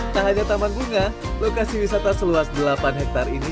tak hanya taman bunga lokasi wisata seluas delapan hektare ini